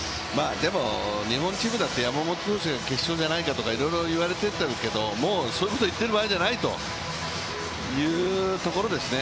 でも日本チームだって山本投手が決勝じゃないかとかいろいろ言われてたけど、もうそういうこと言っている場合じゃないというところですね。